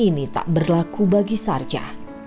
ini tak berlaku bagi sarja